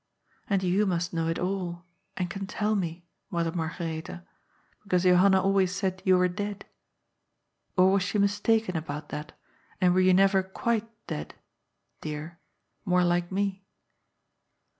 And you must know it all, and can tell me. Mother Margaretha, because Johan na always said you were dead. Or was she mistaken about that, and were you never quite dead— dear — more like me?"